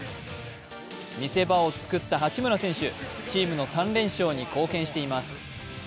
見せ場を作った八村選手、チームの３連勝に貢献しています。